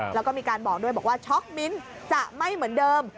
แล้วก็มีการบอกด้วยบอกว่าช็อกมิ้นจะไม่เหมือนเดิม